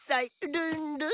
ルンルン！